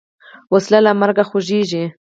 وسله له مرګه خوښیږي